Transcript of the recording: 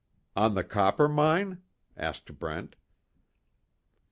"On the Coppermine?" asked Brent.